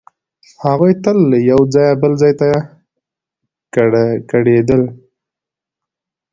هغوی تل له یوه ځایه بل ځای ته کډېدل.